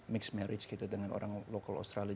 mix marriage gitu dengan orang local australia